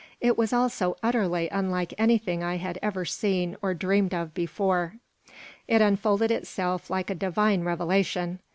It was all so utterly unlike anything I had ever seen or dreamed of before. It unfolded itself like a divine revelation.